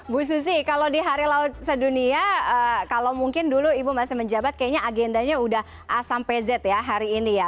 bu susi kalau di hari laut sedunia kalau mungkin dulu ibu masih menjabat kayaknya agendanya udah a sampai z ya hari ini ya